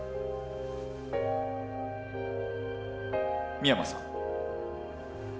深山さん。